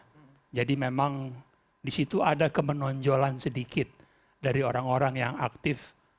sepak bola jadi memang disitu ada kemenonjolan sedikit dari orang orang yang aktif